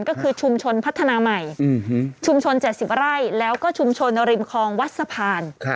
ก็คือชุมชนพัฒนาใหม่ชุมชน๗๐ไร่แล้วก็ชุมชนริมคลองวัดสะพาน